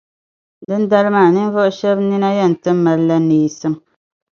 Dindali maa, ninvuɣu shɛba nina yɛn ti malila neesim.